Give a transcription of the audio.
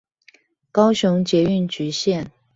高雄捷運橘線